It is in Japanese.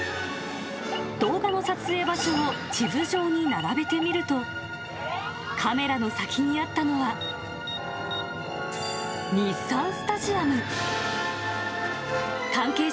動画の撮影場所を地図上に並べてみると、カメラの先にあったのは、日産スタジアム。